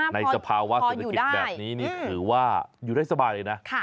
สภาวะเศรษฐกิจแบบนี้นี่ถือว่าอยู่ได้สบายเลยนะ